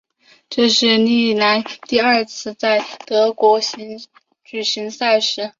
这是历来第二次在德国举行赛事。